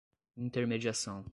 intermediação